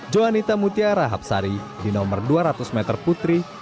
johanita mutia rahapsari di nomor dua ratus meter putri